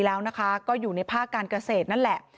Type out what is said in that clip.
แล้วก็อยู่ในภาคการเกษตรนั่นแหละ